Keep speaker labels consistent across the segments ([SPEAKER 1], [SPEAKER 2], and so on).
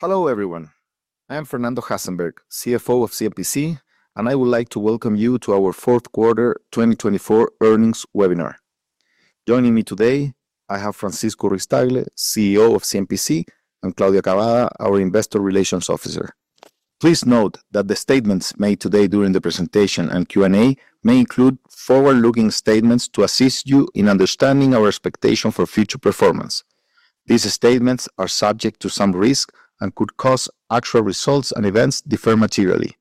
[SPEAKER 1] Hello, everyone. I am Fernando Hasenberg, CFO of CMPC, and I would like to welcome you to our Fourth Quarter 2024 earnings webinar. Joining me today, I have Francisco Ruiz-Tagle, CEO of CMPC, and Claudia Cavada, our Investor Relations Officer. Please note that the statements made today during the presentation and Q&A may include forward-looking statements to assist you in understanding our expectation for future performance. These statements are subject to some risk and could cause actual results and events to differ materially.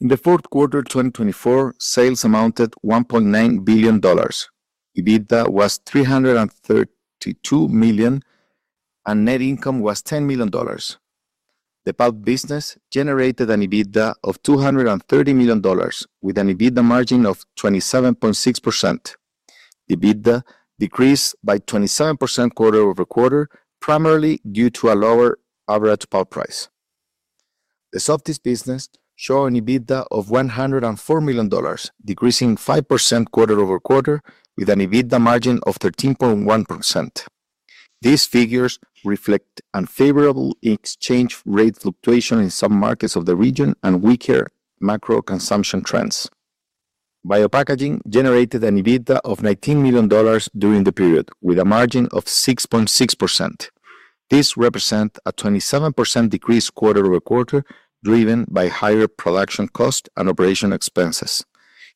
[SPEAKER 1] In the Q4 2024, sales amounted to $1.9 billion, EBITDA was $332 million, and net income was $10 million. The pulp business generated an EBITDA of $230 million, with an EBITDA margin of 27.6%. EBITDA decreased by 27% quarter-over-quarter, primarily due to a lower average pulp price. The Softys business showed an EBITDA of $104 million, decreasing 5% quarter over quarter, with an EBITDA margin of 13.1%. These figures reflect unfavorable exchange rate fluctuation in some markets of the region and weaker macro consumption trends. Biopackaging generated an EBITDA of $19 million during the period, with a margin of 6.6%. This represents a 27% decrease quarter-over-quarter, driven by higher production costs and operational expenses.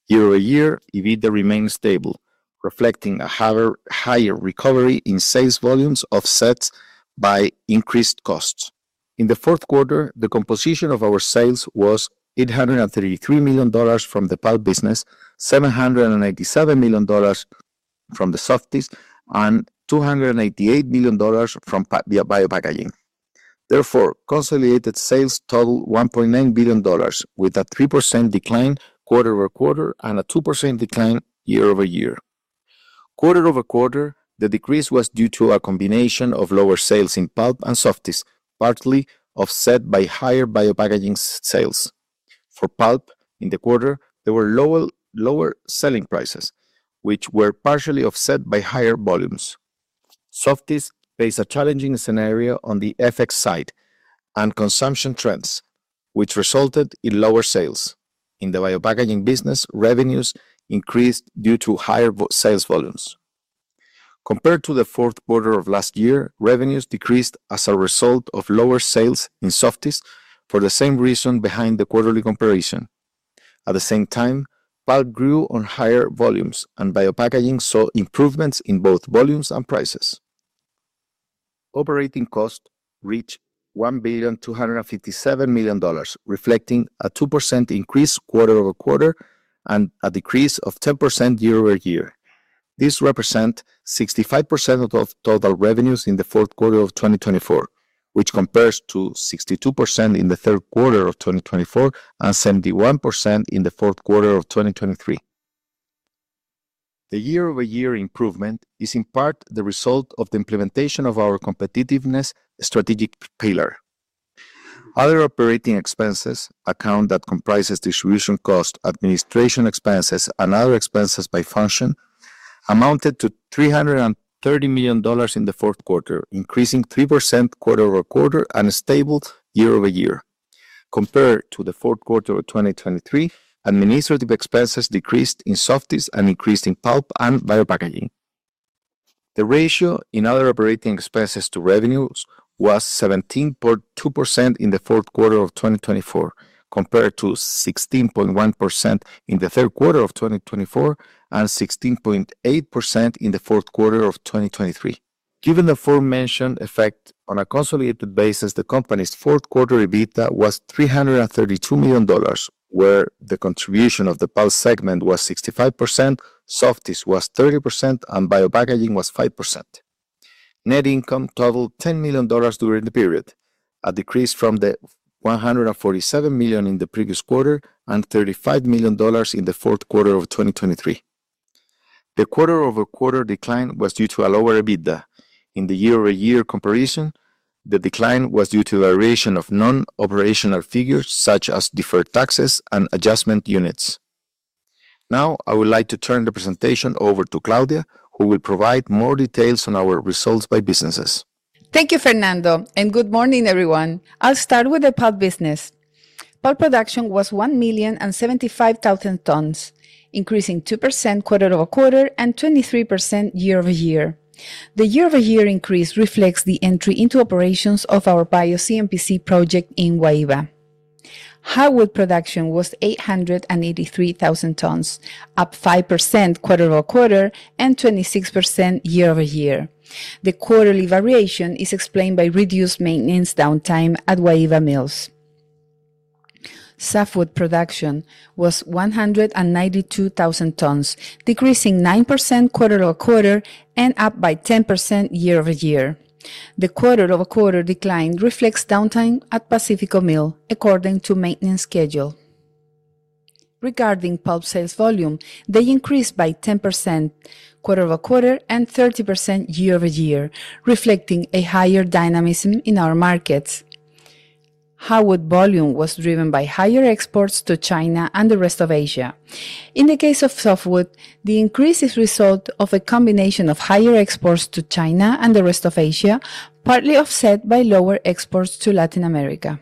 [SPEAKER 1] Year-over-year, EBITDA remained stable, reflecting a higher recovery in sales volumes offset by increased costs. In the Q4, the composition of our sales was $833 million from the pulp business, $787 million from the Softys, and $288 million from Biopackaging. Therefore, consolidated sales totaled $1.9 billion, with a 3% decline quarter-over-quarter and a 2% decline year-over-year. Quarter-over-quarter, the decrease was due to a combination of lower sales in pulp and Softys, partly offset by higher Biopackaging sales. For pulp, in the quarter, there were lower selling prices, which were partially offset by higher volumes. Softys faced a challenging scenario on the FX side and consumption trends, which resulted in lower sales. In the Biopackaging business, revenues increased due to higher sales volumes. Compared to the Q4 of last year, revenues decreased as a result of lower sales in Softys for the same reason behind the quarterly comparison. At the same time, pulp grew on higher volumes, and Biopackaging saw improvements in both volumes and prices. Operating costs reached $1,257 million, reflecting a 2% increase quarter-over-quarter and a decrease of 10% year-over-year. This represents 65% of total revenues in the Q4 of 2024, which compares to 62% in the Q3 of 2024 and 71% in the Q4 of 2023. The year-over-year improvement is in part the result of the implementation of our competitiveness strategic pillar. Other operating expenses account that comprises distribution costs, administration expenses, and other expenses by function, amounted to $330 million in the Q4, increasing 3% quarter-over-quarter and stable year-over-year. Compared to the Q4 of 2023, administrative expenses decreased in Softys and increased in pulp and Biopackaging. The ratio in other operating expenses to revenues was 17.2% in the Q4 of 2024, compared to 16.1% in the Q3 of 2024 and 16.8% in the Q4 of 2023. Given the aforementioned effect on a consolidated basis, the company's Q4 EBITDA was $332 million, where the contribution of the pulp segment was 65%, Softys was 30%, and Biopackaging was 5%. Net income totaled $10 million during the period, a decrease from the $147 million in the previous quarter and $35 million in the Q4 of 2023. The quarter-over-quarter decline was due to a lower EBITDA. In the year-over-year comparison, the decline was due to variation of non-operational figures such as deferred taxes and adjustment units. Now, I would like to turn the presentation over to Claudia, who will provide more details on our results by businesses.
[SPEAKER 2] Thank you, Fernando, and good morning, everyone. I'll start with the pulp business. pulp production was 1,075,000 tons, increasing 2% quarter-over-quarter and 23% year-over-year. The year-over-year increase reflects the entry into operations of our BioCMPC project in Guaíba. Hardwood production was 883,000 tons, up 5% quarter-over-quarter and 26% year over year. The quarterly variation is explained by reduced maintenance downtime at Guaíba mills. Softwood production was 192,000 tons, decreasing 9% quarter-over-quarter and up by 10% year-over-year. The quarter-over-quarter decline reflects downtime at Pacifico mill, according to maintenance schedule. Regarding pulp sales volume, they increased by 10% quarter over quarter and 30% year-over-year, reflecting a higher dynamism in our markets. Hardwood volume was driven by higher exports to China and the rest of Asia. In the case of softwood, the increase is a result of a combination of higher exports to China and the rest of Asia, partly offset by lower exports to Latin America.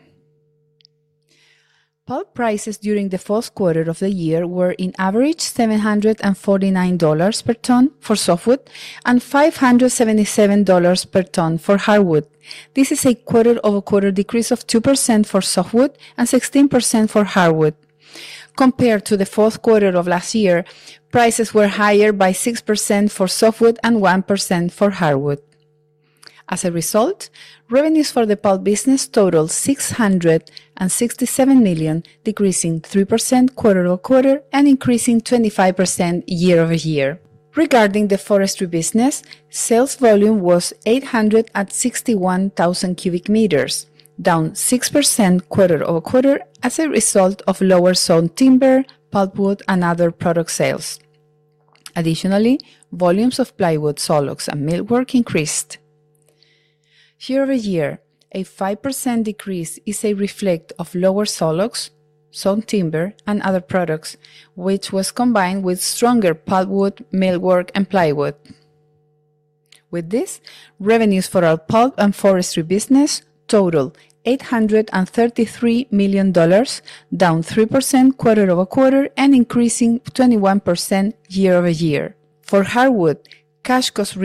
[SPEAKER 2] Pulp prices during the Q4 of the year were, on average, $749 per ton for softwood and $577 per ton for hardwood. This is a quarter-over-quarter decrease of 2% for softwood and 16% for hardwood. Compared to the Q4 of last year, prices were higher by 6% for softwood and 1% for hardwood. As a result, revenues for the pulp business totaled $667 million, decreasing 3% quarter-over-quarter and increasing 25% year-over-year. Regarding the forestry business, sales volume was 800 at 61,000 cubic meters, down 6% quarter-over-quarter as a result of lower sawn timber, pulpwood, and other product sales. Additionally, volumes of plywood, sawlogs, and millwork increased. Year-over-year, a 5% decrease is a reflection of lower sawlogs, sawn timber, and other products, which was combined with stronger pulpwood, millwork, and plywood. With this, revenues for our pulp and forestry business totaled $833 million, down 3% quarter-over-quarter and increasing 21% year-over-year. For hardwood, cash costs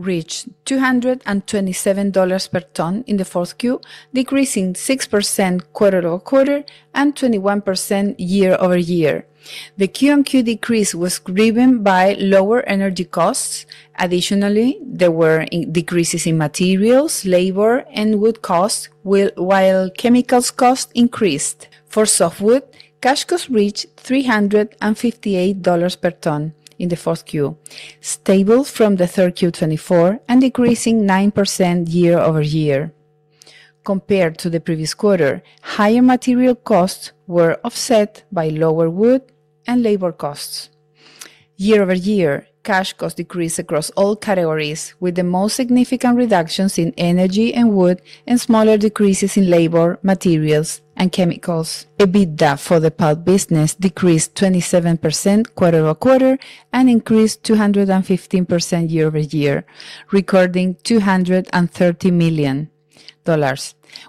[SPEAKER 2] reached $227 per ton in the Q4, decreasing 6% quarter-over-quarter and 21% year-over-year. The QoQ decrease was driven by lower energy costs. Additionally, there were decreases in materials, labor, and wood costs, while chemicals costs increased. For softwood, cash costs reached $358 per ton in the Q4, stable from the Q3 2024 and decreasing 9% year-over-year. Compared to the previous quarter, higher material costs were offset by lower wood and labor costs. Year-over-year, cash costs decreased across all categories, with the most significant reductions in energy and wood and smaller decreases in labor, materials, and chemicals. EBITDA for the pulp business decreased 27% quarter-over-quarter and increased 215% year-over-year, recording $230 million,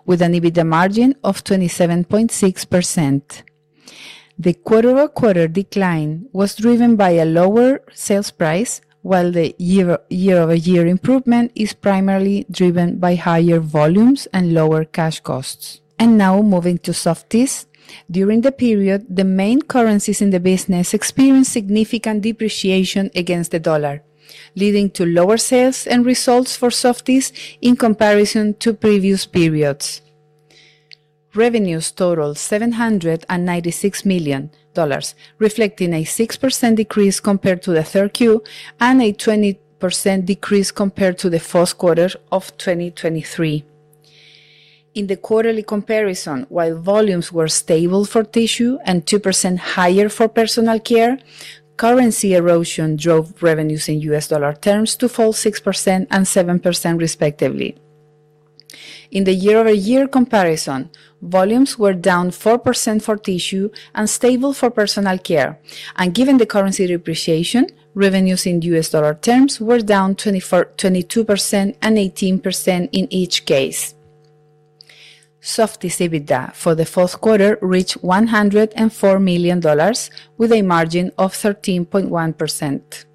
[SPEAKER 2] with an EBITDA margin of 27.6%. The quarter-over-quarter decline was driven by a lower sales price, while the year-over-year improvement is primarily driven by higher volumes and lower cash costs. Now moving to Softys. During the period, the main currencies in the business experienced significant depreciation against the dollar, leading to lower sales and results for Softys in comparison to previous periods. Revenues totaled $796 million, reflecting a 6% decrease compared to the Q3 and a 20% decrease compared to the Q4 of 2023. In the quarterly comparison, while volumes were stable for tissue and 2% higher for personal care, currency erosion drove revenues in US dollar terms to fall 6% and 7% respectively. In the year-over-year comparison, volumes were down 4% for tissue and stable for personal care, and given the currency depreciation, revenues in US dollar terms were down 22% and 18% in each case. Softys EBITDA for the Q4 reached $104 million, with a margin of 13.1%.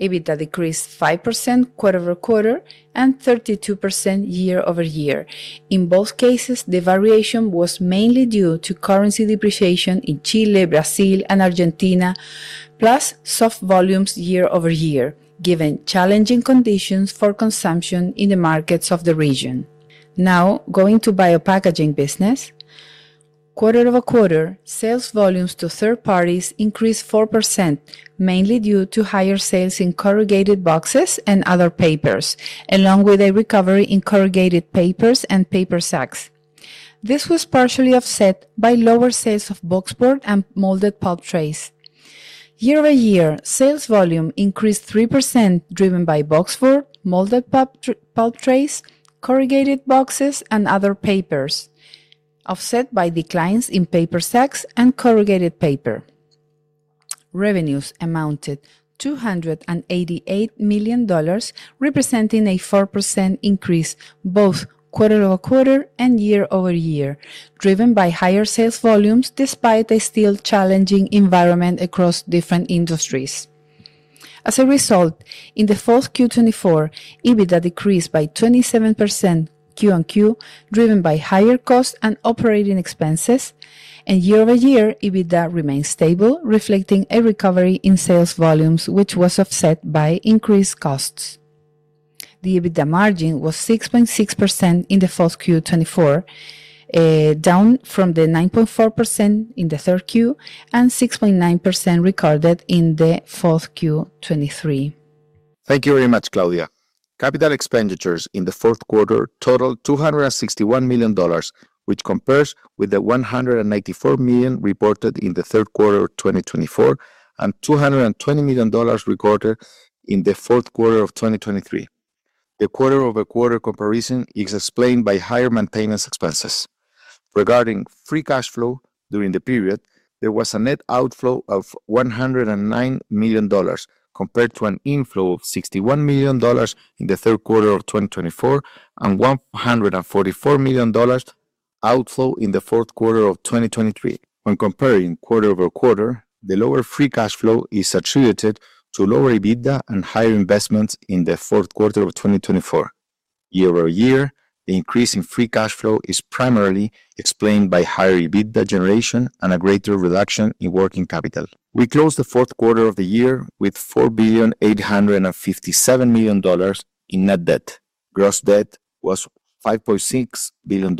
[SPEAKER 2] EBITDA decreased 5% quarter-over-quarter and 32% year-over-year. In both cases, the variation was mainly due to currency depreciation in Chile, Brazil, and Argentina, plus soft volumes year over year, given challenging conditions for consumption in the markets of the region. Now going to Biopackaging business. Quarter-over-quarter, sales volumes to third parties increased 4%, mainly due to higher sales in corrugated boxes and other papers, along with a recovery in corrugated papers and paper sacks. This was partially offset by lower sales of boxboard and molded pulp trays. Year-over-year, sales volume increased 3%, driven by boxboard, molded pulp trays, corrugated boxes, and other papers, offset by declines in paper sacks and corrugated paper. Revenues amounted to $288 million, representing a 4% increase both quarter-over-quarter and year-over-year, driven by higher sales volumes despite a still challenging environment across different industries. As a result, in the Q4 2024, EBITDA decreased by 27% Q on Q, driven by higher costs and operating expenses, and year-over-year, EBITDA remained stable, reflecting a recovery in sales volumes, which was offset by increased costs. The EBITDA margin was 6.6% in the Q4 2024, down from the 9.4% in the Q3 and 6.9% recorded in the Q4 2023.
[SPEAKER 1] Thank you very much, Claudia. Capital expenditures in the Q4 totaled $261 million, which compares with the $194 million reported in the Q3 of 2024 and $220 million recorded in the Q4 of 2023. The quarter-over-quarter comparison is explained by higher maintenance expenses. Regarding free cash flow during the period, there was a net outflow of $109 million compared to an inflow of $61 million in the Q3 of 2024 and $144 million outflow in the Q4 of 2023. When comparing quarter-over-quarter, the lower free cash flow is attributed to lower EBITDA and higher investments in the Q4 of 2024. Year-over-year, the increase in free cash flow is primarily explained by higher EBITDA generation and a greater reduction in working capital. We closed the Q4 of the year with $4,857 million in net debt. Gross debt was $5.6 billion.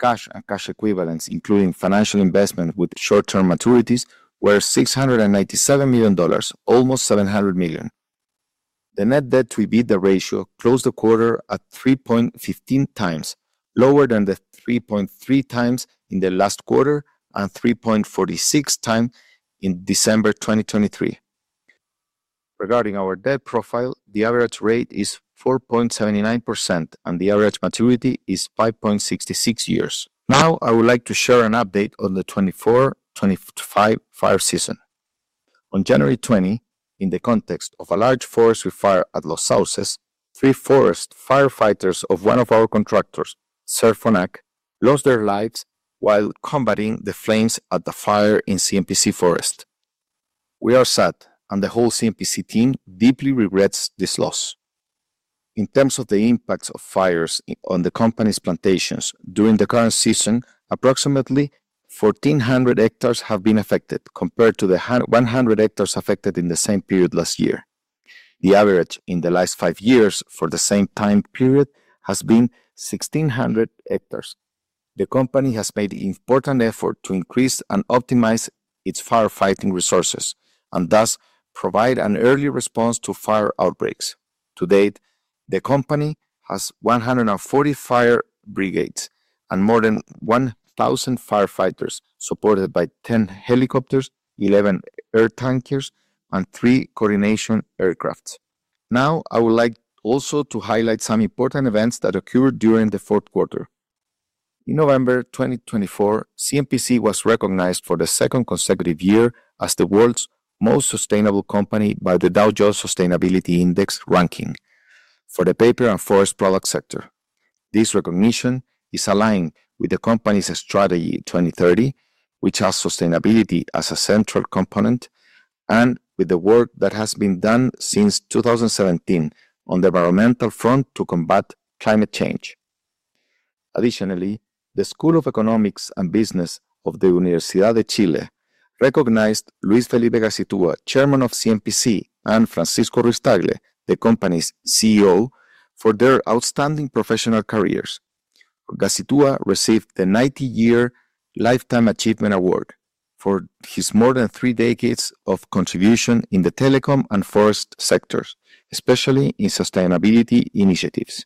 [SPEAKER 1] Cash and cash equivalents, including financial investment with short-term maturities, were $697 million, almost $700 million. The net debt to EBITDA ratio closed the quarter at 3.15 times, lower than the 3.3 times in the last quarter and 3.46 times in December 2023. Regarding our debt profile, the average rate is 4.79% and the average maturity is 5.66 years. Now, I would like to share an update on the 24-25 fire season. On January 20, in the context of a large forestry fire at Los Sauces, three forest firefighters of one of our contractors, Serfonac, lost their lives while combating the flames at the fire in CMPC Forest. We are sad, and the whole CMPC team deeply regrets this loss. In terms of the impacts of fires on the company's plantations, during the current season, approximately 1,400 hectares have been affected compared to the 100 hectares affected in the same period last year. The average in the last five years for the same time period has been 1,600 hectares. The company has made an important effort to increase and optimize its firefighting resources and thus provide an early response to fire outbreaks. To date, the company has 140 fire brigades and more than 1,000 firefighters supported by 10 helicopters, 11 air tankers, and three coordination aircraft. Now, I would like also to highlight some important events that occurred during the Q4. In November 2024, CMPC was recognized for the second consecutive year as the world's most sustainable company by the Dow Jones Sustainability Index ranking for the paper and forest product sector. This recognition is aligned with the company's strategy 2030, which has sustainability as a central component, and with the work that has been done since 2017 on the environmental front to combat climate change. Additionally, the School of Economics and Business of the Universidad de Chile recognized Luis Felipe Gacitúa, Chairman of CMPC, and Francisco Ruiz-Tagle, the company's CEO, for their outstanding professional careers. Gacitúa received the 90-year lifetime achievement award for his more than three decades of contribution in the telecom and forest sectors, especially in sustainability initiatives.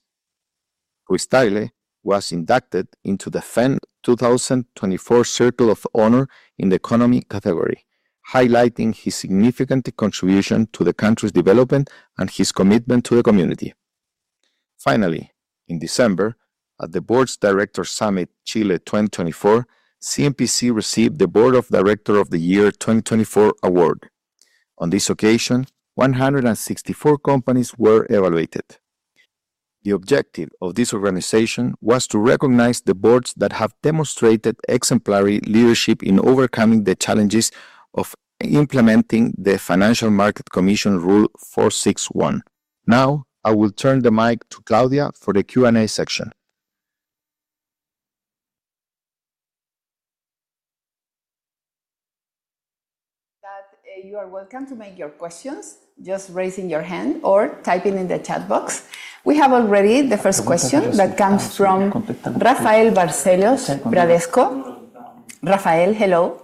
[SPEAKER 1] Ruiz-Tagle was inducted into the FEN 2024 Circle of Honor in the Economy category, highlighting his significant contribution to the country's development and his commitment to the community. Finally, in December, at the Board of Directors Summit Chile 2024, CMPC received the Board of Directors of the Year 2024 award. On this occasion, 164 companies were evaluated. The objective of this organization was to recognize the boards that have demonstrated exemplary leadership in overcoming the challenges of implementing the Financial Market Commission Rule 461. Now, I will turn the mic to Claudia for the Q&A section.
[SPEAKER 2] That you are welcome to make your questions, just raising your hand or typing in the chat box. We have already the first question that comes from Rafael Barcellos, Bradesco. Rafael, hello.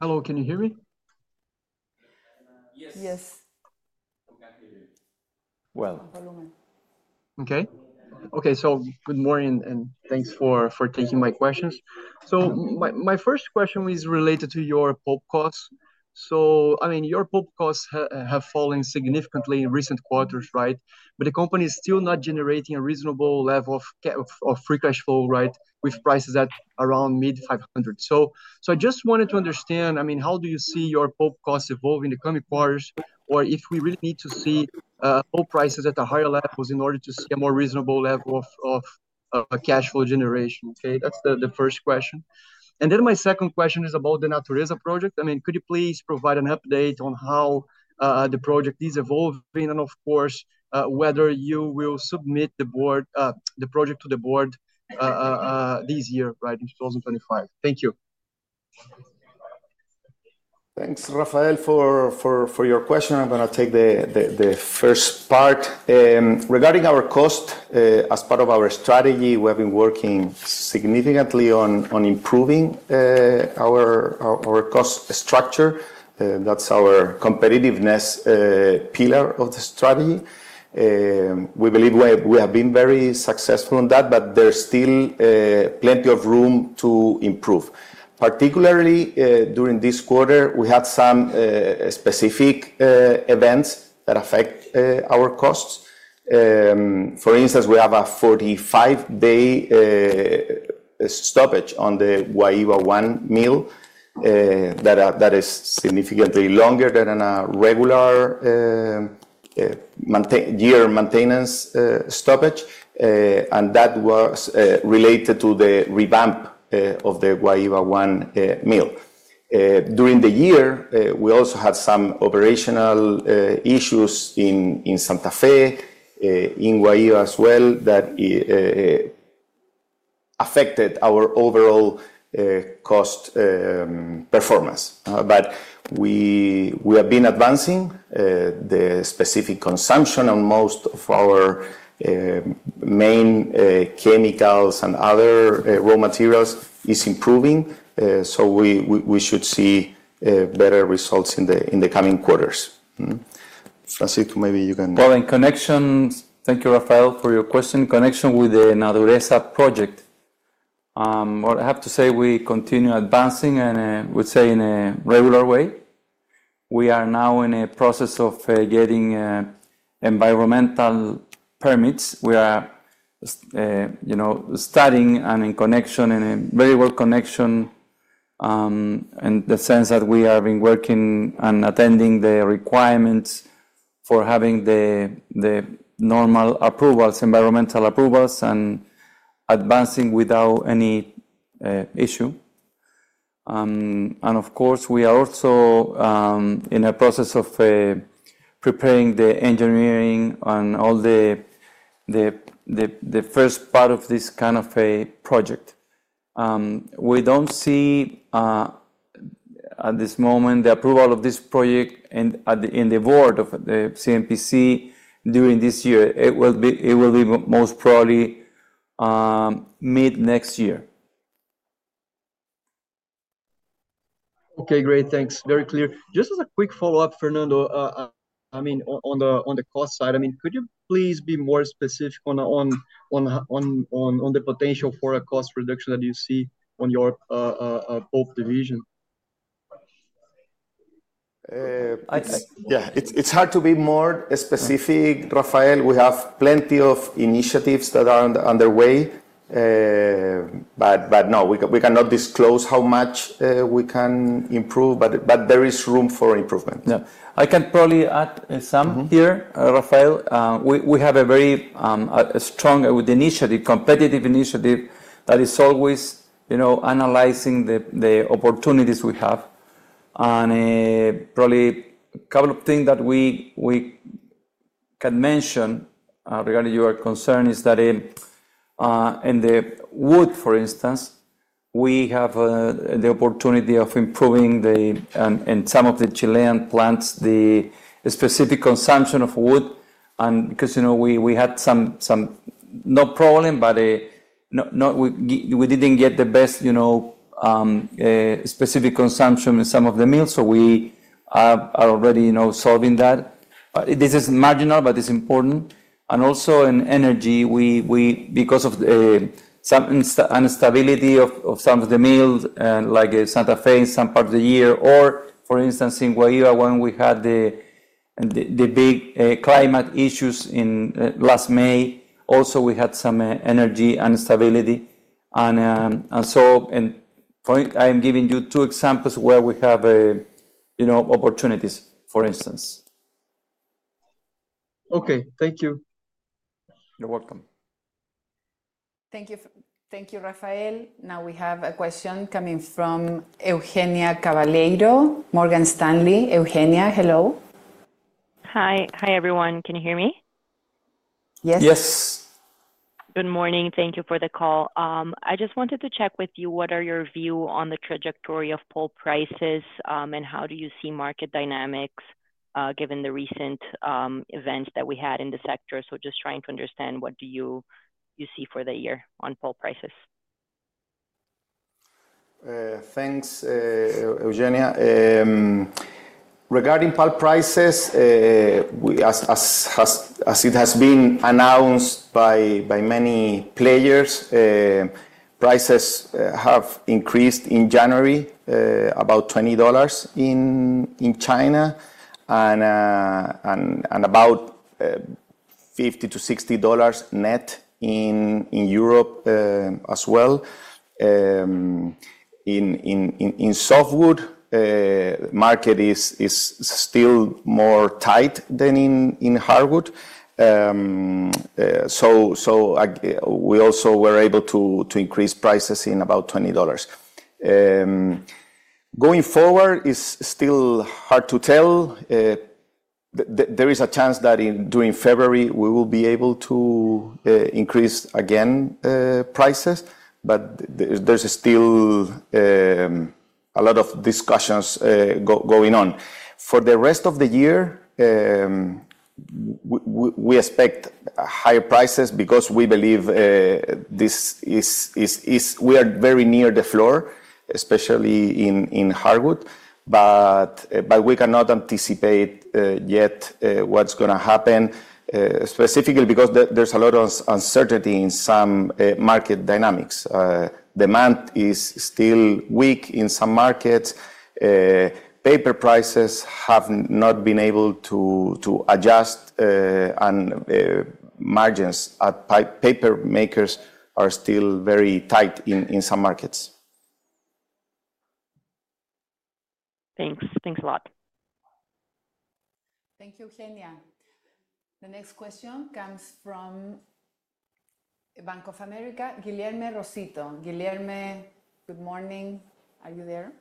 [SPEAKER 3] Hello, can you hear me?
[SPEAKER 2] Yes.
[SPEAKER 3] Okay, I can hear you. Well. Volume. Okay. Okay, so good morning and thanks for taking my questions. So my first question is related to your pulp costs. So, I mean, your pulp costs have fallen significantly in recent quarters, right? But the company is still not generating a reasonable level of free cash flow, right, with prices at around mid 500. So I just wanted to understand, I mean, how do you see your pulp costs evolving in the coming quarters or if we really need to see pulp prices at a higher level in order to see a more reasonable level of cash flow generation, okay? That's the first question. And then my second question is about the Natureza project. I mean, could you please provide an update on how the project is evolving and, of course, whether you will submit the project to the board this year, right, in 2025? Thank you.
[SPEAKER 4] Thanks, Rafael, for your question. I'm going to take the first part. Regarding our cost, as part of our strategy, we have been working significantly on improving our cost structure. That's our competitiveness pillar of the strategy. We believe we have been very successful on that, but there's still plenty of room to improve. Particularly during this quarter, we had some specific events that affect our costs. For instance, we have a 45-day stoppage on the Guaíba 1 mill that is significantly longer than a regular year maintenance stoppage, and that was related to the revamp of the Guaíba 1 mill. During the year, we also had some operational issues in Santa Fe, in Guaíba as well, that affected our overall cost performance. But we have been advancing. The specific consumption on most of our main chemicals and other raw materials is improving. So we should see better results in the coming quarters.
[SPEAKER 3] Francisco, maybe you can.
[SPEAKER 4] In connection, thank you, Rafael, for your question. In connection with the Natureza project, I have to say we continue advancing and would say in a regular way. We are now in a process of getting environmental permits. We are studying and in connection and a very well connection in the sense that we have been working and attending the requirements for having the normal approvals, environmental approvals, and advancing without any issue. Of course, we are also in a process of preparing the engineering and all the first part of this kind of a project. We don't see at this moment the approval of this project in the board of the CMPC during this year. It will be most probably mid next year.
[SPEAKER 3] Okay, great. Thanks. Very clear. Just as a quick follow-up, Fernando, I mean, on the cost side, I mean, could you please be more specific on the potential for a cost reduction that you see on your pulp division?
[SPEAKER 1] Yeah, it's hard to be more specific, Rafael. We have plenty of initiatives that are underway. But no, we cannot disclose how much we can improve, but there is room for improvement. Yeah. I can probably add some here, Rafael. We have a very strong initiative, competitive initiative that is always analyzing the opportunities we have. And probably a couple of things that we can mention regarding your concern is that in the wood, for instance, we have the opportunity of improving in some of the Chilean plants, the specific consumption of wood. And because we had some no problem, but we didn't get the best specific consumption in some of the mills, so we are already solving that. But this is marginal, but it's important. And also in energy, because of the instability of some of the mills, like Santa Fe in some part of the year, or for instance, in Guaíba, when we had the big climate issues last May, also we had some energy instability. And so I'm giving you two examples where we have opportunities, for instance.
[SPEAKER 3] Okay, thank you.
[SPEAKER 1] You're welcome.
[SPEAKER 2] Thank you, Rafael. Now we have a question coming from Eugenia Cavalheiro, Morgan Stanley. Eugenia, hello.
[SPEAKER 5] Hi, hi everyone. Can you hear me?
[SPEAKER 2] Yes.
[SPEAKER 5] Yes. Good morning. Thank you for the call. I just wanted to check with you, what are your views on the trajectory of pulp prices and how do you see market dynamics given the recent events that we had in the sector? So just trying to understand what do you see for the year on pulp prices.
[SPEAKER 4] Thanks, Eugenia. Regarding pulp prices, as it has been announced by many players, prices have increased in January, about $20 in China and about $50-$60 net in Europe as well. In softwood, the market is still more tight than in hardwood. So we also were able to increase prices in about $20. Going forward is still hard to tell. There is a chance that during February, we will be able to increase again prices, but there's still a lot of discussions going on. For the rest of the year, we expect higher prices because we believe we are very near the floor, especially in hardwood. But we cannot anticipate yet what's going to happen, specifically because there's a lot of uncertainty in some market dynamics. Demand is still weak in some markets. Paper prices have not been able to adjust and margins at paper makers are still very tight in some markets.
[SPEAKER 5] Thanks. Thanks a lot.
[SPEAKER 2] Thank you, Eugenia. The next question comes from Bank of America, Guilherme Rosito. Guilherme, good morning. Are you there?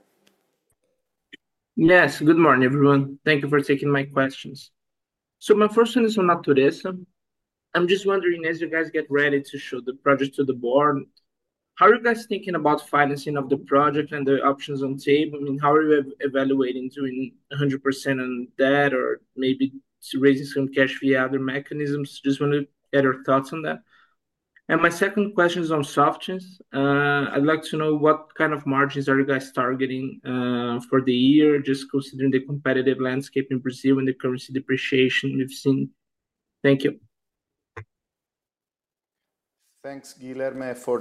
[SPEAKER 6] Yes, good morning, everyone. Thank you for taking my questions. So my first one is on Natureza. I'm just wondering, as you guys get ready to show the project to the board, how are you guys thinking about financing of the project and the options on the table? I mean, how are you evaluating doing 100% on debt or maybe raising some cash via other mechanisms? Just want to get your thoughts on that. And my second question is on Softys. I'd like to know what kind of margins are you guys targeting for the year, just considering the competitive landscape in Brazil and the currency depreciation we've seen. Thank you.
[SPEAKER 1] Thanks, Guilherme, for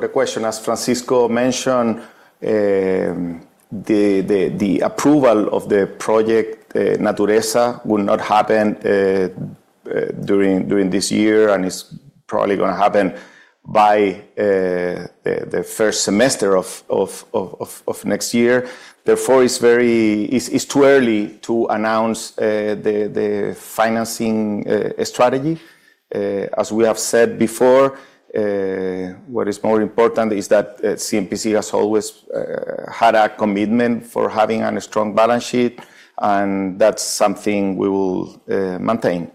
[SPEAKER 1] the question. As Francisco mentioned, the approval of the project Natureza will not happen during this year and is probably going to happen by the first semester of next year. Therefore, it's too early to announce the financing strategy. As we have said before, what is more important is that CMPC has always had a commitment for having a strong balance sheet, and that's something we will maintain.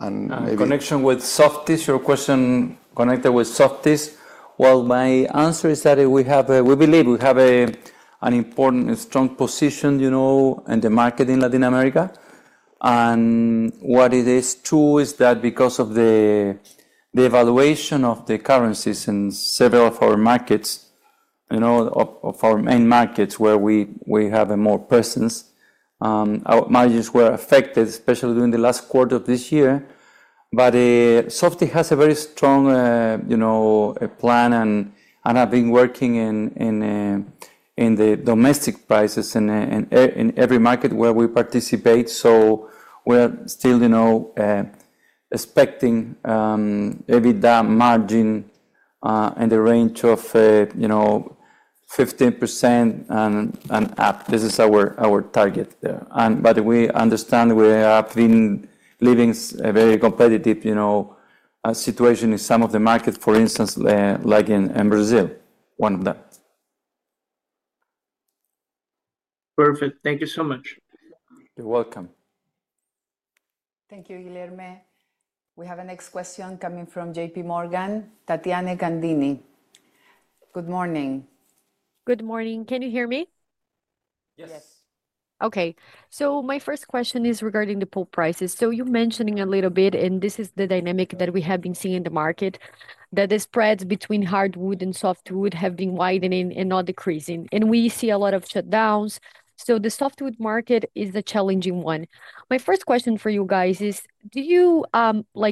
[SPEAKER 1] In connection with Softys, your question connected with Softys. Well, my answer is that we believe we have an important strong position in the market in Latin America. What it is too is that because of the devaluation of the currencies in several of our markets, of our main markets where we have more presence, our margins were affected, especially during the last quarter of this year. Softys has a very strong plan and has been working on the domestic prices in every market where we participate. We are still expecting maybe that margin in the range of 15% and up. This is our target there. We understand we have been living a very competitive situation in some of the markets, for instance, like in Brazil, one of them.
[SPEAKER 6] Perfect. Thank you so much.
[SPEAKER 1] You're welcome.
[SPEAKER 2] Thank you, Guilherme. We have a next question coming from JPMorgan, Tatiana Gandhi. Good morning.
[SPEAKER 7] Good morning. Can you hear me?
[SPEAKER 5] Yes.
[SPEAKER 7] Yes. Okay. So my first question is regarding the pulp prices. So you mentioned a little bit, and this is the dynamic that we have been seeing in the market, that the spreads between hardwood and softwood have been widening and not decreasing. And we see a lot of shutdowns. So the softwood market is a challenging one. My first question for you guys is, are you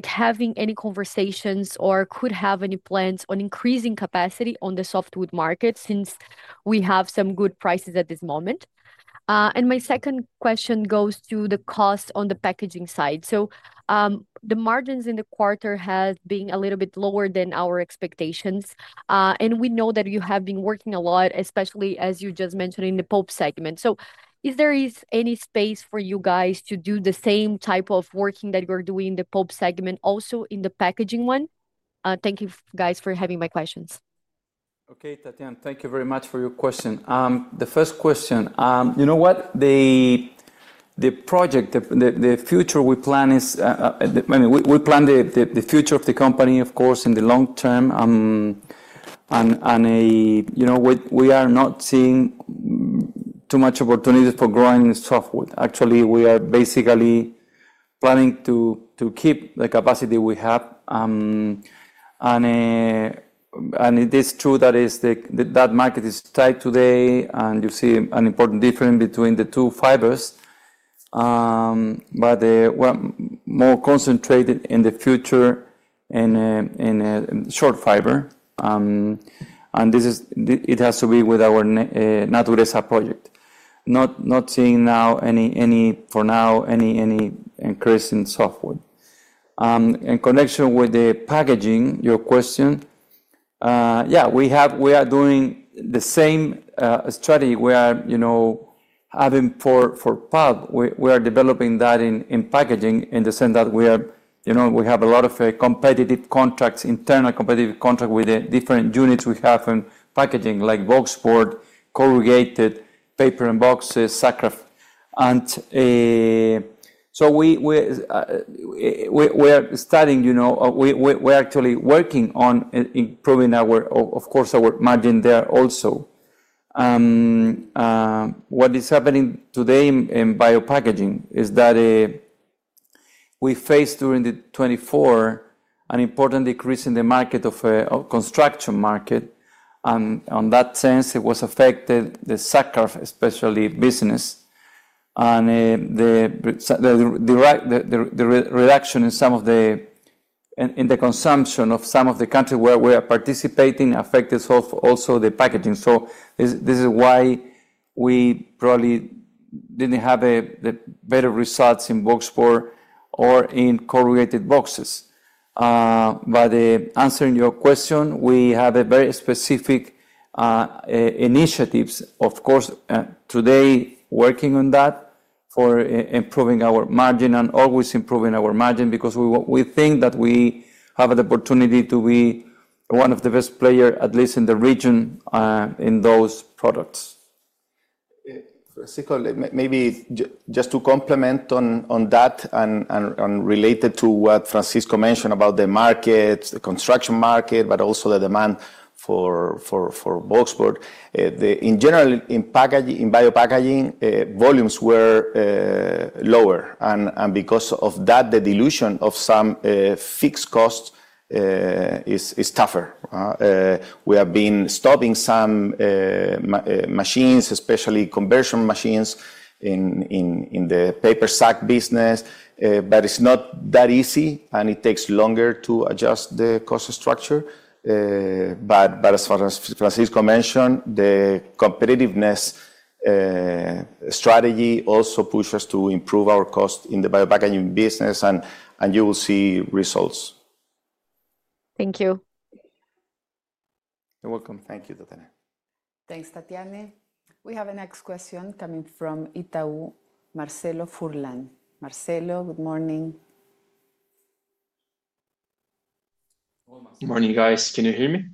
[SPEAKER 7] having any conversations or could have any plans on increasing capacity on the softwood market since we have some good prices at this moment? And my second question goes to the cost on the packaging side. So the margins in the quarter have been a little bit lower than our expectations. And we know that you have been working a lot, especially as you just mentioned in the pulp segment. So is there any space for you guys to do the same type of working that you're doing in the pulp segment also in the packaging one? Thank you, guys, for having my questions.
[SPEAKER 4] Okay, Tatiana, thank you very much for your question. The first question, you know what? The project, the future we plan is, I mean, we plan the future of the company, of course, in the long term. And we are not seeing too much opportunity for growing softwood. Actually, we are basically planning to keep the capacity we have. And it is true that that market is tight today, and you see an important difference between the two fibers. But more concentrated in the future in short fiber. And it has to be with our Natureza project. Not seeing now, for now, any increase in softwood. In connection with the packaging, your question, yeah, we are doing the same strategy. We are having for pulp, we are developing that in packaging in the sense that we have a lot of competitive contracts, internal competitive contracts with the different units we have in packaging like boxboard, corrugated paper, and boxes. And so we are studying, we're actually working on improving, of course, our margin there also. What is happening today in biopackaging is that we faced during the 2024 an important decrease in the construction market. And in that sense, it was affected the sack, especially business. And the reduction in some of the consumption of some of the countries where we are participating affected also the packaging. So this is why we probably didn't have the better results in boxboard or in corrugated boxes. But, answering your question, we have very specific initiatives, of course, today working on that for improving our margin and always improving our margin because we think that we have the opportunity to be one of the best players, at least in the region, in those products.
[SPEAKER 1] Francisco, maybe just to complement on that and related to what Francisco mentioned about the markets, the construction market, but also the demand for boxboard. In general, in Biopackaging, volumes were lower. And because of that, the dilution of some fixed costs is tougher. We have been stopping some machines, especially conversion machines in the paper sack business. But it's not that easy, and it takes longer to adjust the cost structure. But as Francisco mentioned, the competitiveness strategy also pushes us to improve our cost in the Biopackaging business, and you will see results.
[SPEAKER 7] Thank you.
[SPEAKER 1] You're welcome. Thank you, Tatiana.
[SPEAKER 2] Thanks, Tatiana. We have a next question coming from Itaú Marcelo Furlan. Marcelo, good morning.
[SPEAKER 8] Good morning, guys. Can you hear me?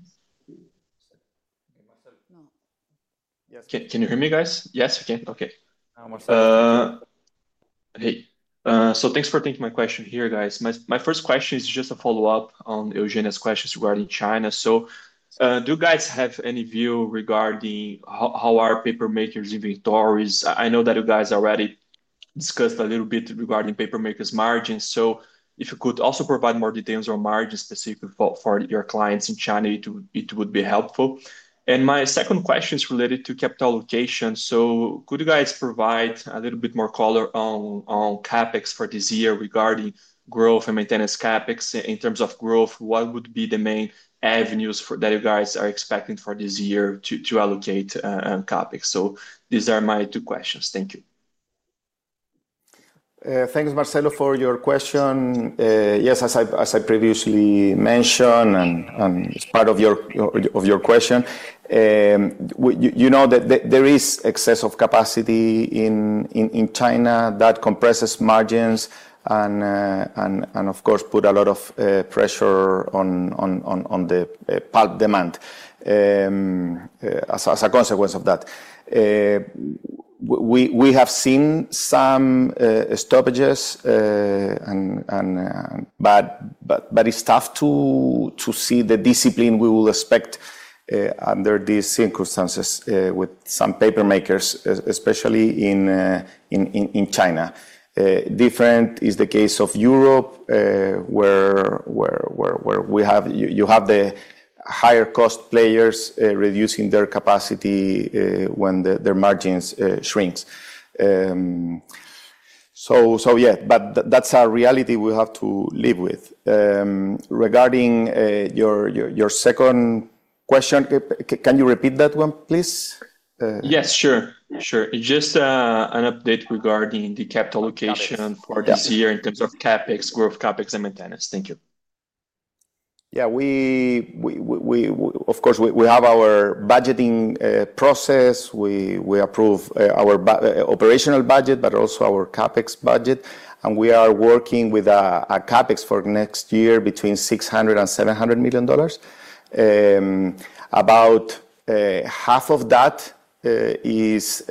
[SPEAKER 8] Can you hear me, guys?
[SPEAKER 4] Yes,
[SPEAKER 8] okay. Hey. So thanks for taking my question here, guys. My first question is just a follow-up on Eugenia's questions regarding China. So do you guys have any view regarding how are paper makers' inventories? I know that you guys already discussed a little bit regarding paper makers' margins. So if you could also provide more details on margins specifically for your clients in China, it would be helpful. And my second question is related to capital allocation. So could you guys provide a little bit more color on CapEx for this year regarding growth and maintenance CapEx? In terms of growth, what would be the main avenues that you guys are expecting for this year to allocate CapEx? So these are my two questions. Thank you.
[SPEAKER 1] Thanks, Marcelo, for your question. Yes, as I previously mentioned and as part of your question, you know that there is excess of capacity in China that compresses margins and, of course, puts a lot of pressure on the pulp demand as a consequence of that. We have seen some stoppages, but it's tough to see the discipline we will expect under these circumstances with some paper makers, especially in China. Different is the case of Europe, where you have the higher-cost players reducing their capacity when their margins shrink. So yeah, but that's a reality we have to live with. Regarding your second question, can you repeat that one, please?
[SPEAKER 8] Yes, sure. Sure. Just an update regarding the capital allocation for this year in terms of CapEx, growth, CapEx, and maintenance. Thank you.
[SPEAKER 1] Yeah, of course, we have our budgeting process. We approve our operational budget, but also our CapEx budget. We are working with a CapEx for next year between $600-$700 million. About half of that is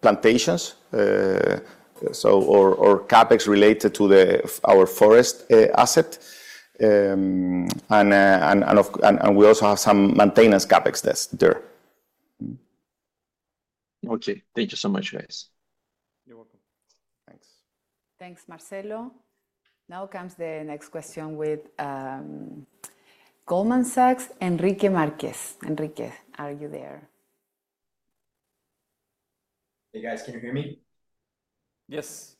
[SPEAKER 1] plantations or CapEx related to our forest asset. We also have some maintenance CapEx there.
[SPEAKER 8] Okay. Thank you so much, guys.
[SPEAKER 1] You're welcome. Thanks.
[SPEAKER 2] Thanks, Marcelo. Now comes the next question with Goldman Sachs, Enrique Marques. Enrique, are you there?
[SPEAKER 9] Hey, guys, can you hear me?
[SPEAKER 1] Yes.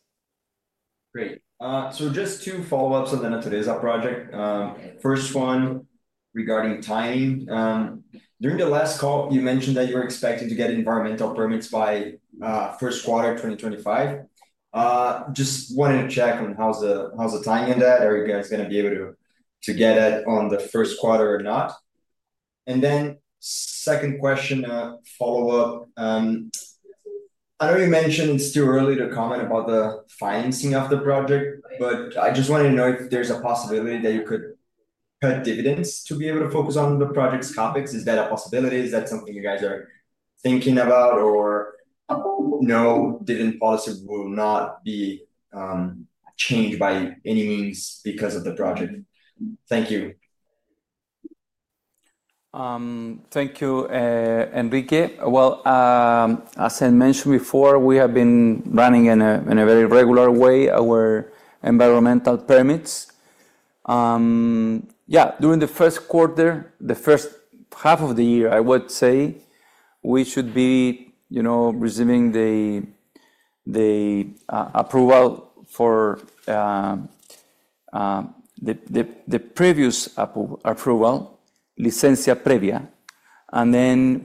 [SPEAKER 9] Great. So just two follow-ups on the Natureza project. First one regarding timing. During the last call, you mentioned that you were expecting to get environmental permits by Q1 2025. Just wanted to check on how's the timing of that? Are you guys going to be able to get it on the Q1 or not? And then second question, follow-up. I know you mentioned it's too early to comment about the financing of the project, but I just wanted to know if there's a possibility that you could cut dividends to be able to focus on the project's CapEx. Is that a possibility? Is that something you guys are thinking about or no dividend policy will not be changed by any means because of the project? Thank you.
[SPEAKER 1] Thank you, Enrique. Well, as I mentioned before, we have been running in a very regular way our environmental permits. Yeah, during theQ1, the H1 of the year, I would say we should be receiving the approval for the previous approval, licencia previa. And then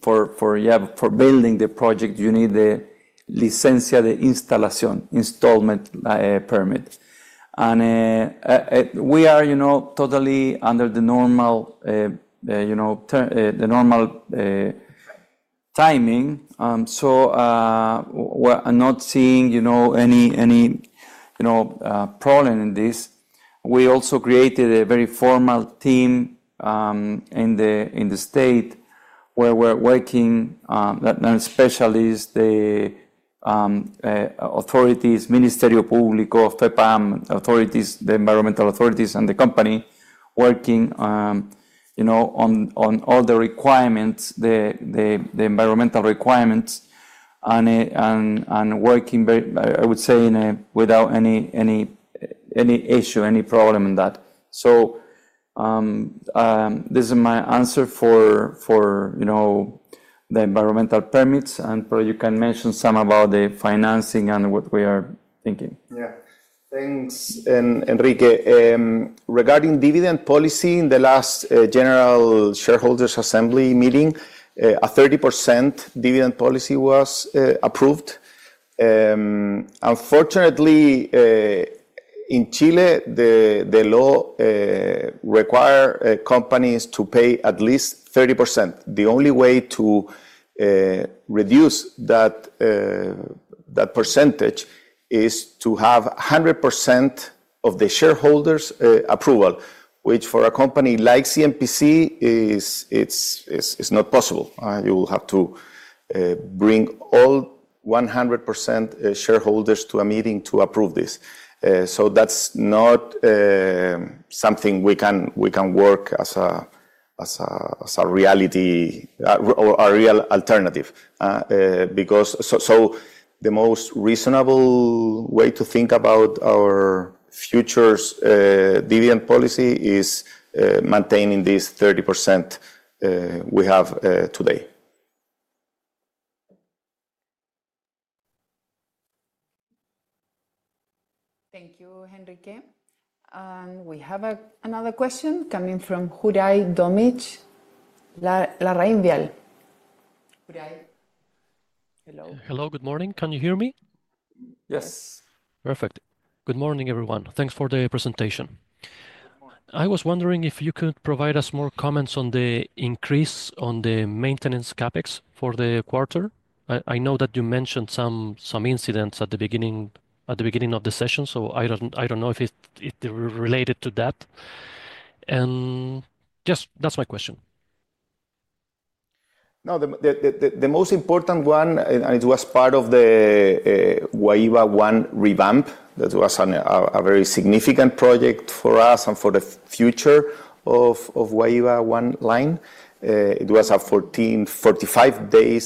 [SPEAKER 1] for building the project, you need the licencia de instalación, installation permit. And we are totally under the normal timing. So we're not seeing any problem in this. We also created a very formal team in the state where we're working, and especially the authorities, Ministério Público, FEPAM, authorities, the environmental authorities, and the company working on all the requirements, the environmental requirements, and working, I would say, without any issue, any problem in that. So this is my answer for the environmental permits. And probably you can mention some about the financing and what we are thinking. Yeah. Thanks, Enrique. Regarding dividend policy, in the last general shareholders' assembly meeting, a 30% dividend policy was approved. Unfortunately, in Chile, the law requires companies to pay at least 30%. The only way to reduce that percentage is to have 100% of the shareholders' approval, which for a company like CMPC, it's not possible. You will have to bring all 100% shareholders to a meeting to approve this. So that's not something we can work as a reality or a real alternative. So the most reasonable way to think about our future dividend policy is maintaining this 30% we have today.
[SPEAKER 2] Thank you, Enrique, and we have another question coming from Juraj Domic, LarrainVial.
[SPEAKER 10] Hello. Hello, good morning. Can you hear me?
[SPEAKER 1] Yes.
[SPEAKER 10] Perfect. Good morning, everyone. Thanks for the presentation. I was wondering if you could provide us more comments on the increase on the maintenance CapEx for the quarter. I know that you mentioned some incidents at the beginning of the session, so I don't know if it related to that, and just that's my question.
[SPEAKER 1] No, the most important one, and it was part of the Guaíba One revamp. That was a very significant project for us and for the future of Guaíba One line. It was a 45-day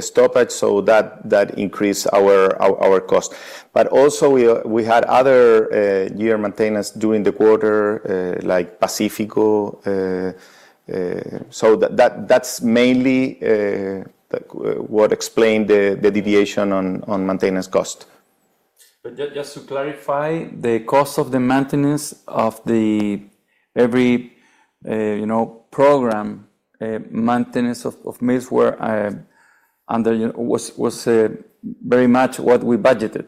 [SPEAKER 1] stoppage, so that increased our cost. But also, we had other major maintenance during the quarter, like Pacífico. So that's mainly what explained the deviation on maintenance cost. Just to clarify, the cost of the maintenance of every program, maintenance of mills was very much what we budgeted.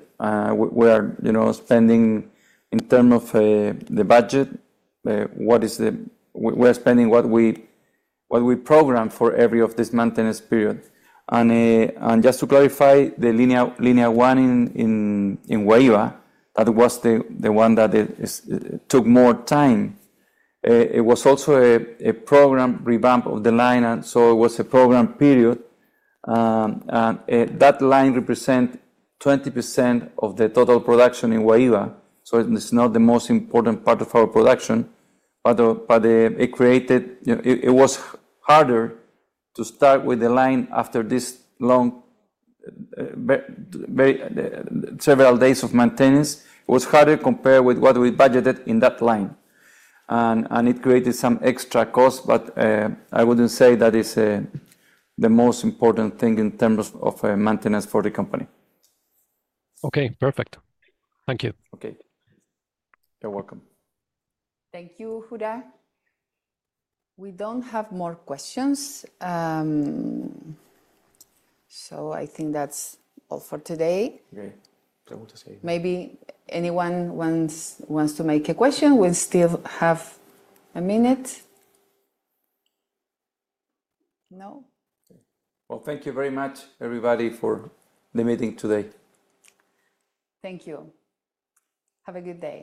[SPEAKER 1] We are spending in terms of the budget; we are spending what we program for every of this maintenance period. And just to clarify, the linear 1 in Guaíba, that was the one that took more time. It was also a program revamp of the line, and so it was a program period. And that line represents 20% of the total production in Guaíba. So it's not the most important part of our production, but it was harder to start with the line after this long, several days of maintenance. It was harder compared with what we budgeted in that line. And it created some extra costs, but I wouldn't say that is the most important thing in terms of maintenance for the company.
[SPEAKER 10] Okay, perfect. Thank you.
[SPEAKER 1] Okay. You're welcome.
[SPEAKER 2] Thank you, Juraj. We don't have more questions, so I think that's all for today.
[SPEAKER 1] Okay.
[SPEAKER 2] Maybe anyone wants to make a question? We still have a minute. No?
[SPEAKER 4] Thank you very much, everybody, for the meeting today.
[SPEAKER 2] Thank you. Have a good day.